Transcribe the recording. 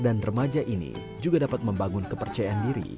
anak anak dan remaja ini juga dapat membangun kepercayaan diri